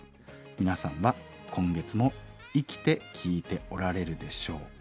皆さんは今月も生きて聴いておられるでしょうか？」。